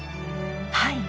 はい。